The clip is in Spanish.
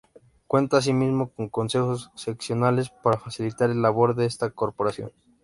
Cuenta así mismo con Consejos Seccionales para facilitar la labor de esta corporación.